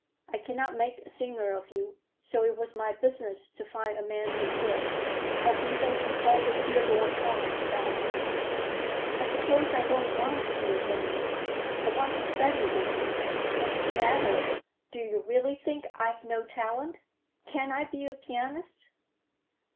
I cannot make a singer of you, so it was my business to find a man who could. I have even consulted Theodore Thomas about it." "But suppose I don't want to be a singer? I want to study with you. What's the matter? Do you really think I've no talent? Can't I be a pianist?"